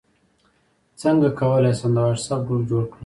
څنګه کولی شم د واټساپ ګروپ جوړ کړم